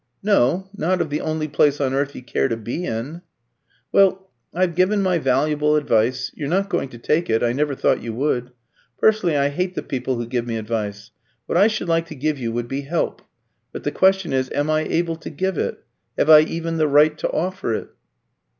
"No, not of the only place on earth you care to be in." "Well, I've given my valuable advice. You're not going to take it I never thought you would. Personally I hate the people who give me advice. What I should like to give you would be help. But the question is, Am I able to give it? Have I even the right to offer it?"